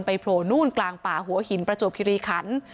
โผล่นู่นกลางป่าหัวหินประจวบคิริขัน